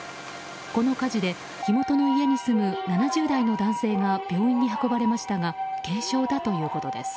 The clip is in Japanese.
この火事で火元の家に住む７０代の男性が病院に運ばれましたが軽傷だということです。